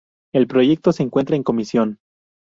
El proyecto se encuentra en comisión.